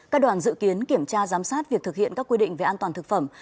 các đoàn dự kiến kiểm tra giám sát việc thực hiện các quy định về an toàn thực phẩm